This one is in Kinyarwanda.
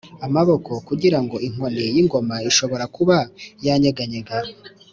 amaboko, kugirango inkoni yingoma ishobora kuba yaranyeganyega,